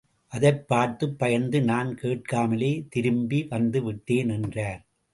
அதைப் பார்த்துப் பயந்து நான் கேட்காமலே திரும்பி வந்துவிட்டேன் —என்றார்.